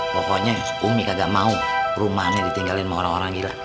pokoknya umi kagak mau perumahannya ditinggalin sama orang orang gila